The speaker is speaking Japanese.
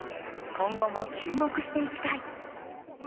今後も注目していきたい。